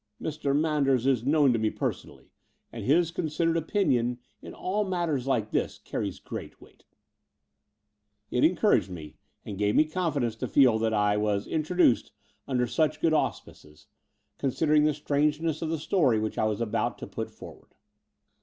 "Mr. Manders is known to me personally; and his considered opinion, in all matters like this, carries great weight. It encouraged me, and gave me confidence to feel that I was introduced under such good aus Between London and Clymping 187 pices, considering the strangeness of the story which I was about to put forward.